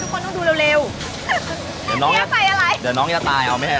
ทุกคนต้องดูเร็วเฮียใส่อะไรเดี๋ยวน้องจะตายเอาไม่ให้